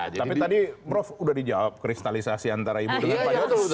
tapi tadi prof sudah dijawab kristalisasi antara ibu dengan pak jokowi